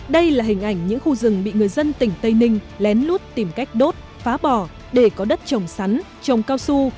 đây là hình ảnh những khu rừng bị người dân tỉnh tây ninh lén lút tìm cách đốt phá bỏ để có đất trồng sắn trồng cao su